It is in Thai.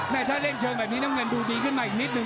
ถ้าเล่นเชิงแบบนี้น้ำเงินดูดีขึ้นมาอีกนิดนึ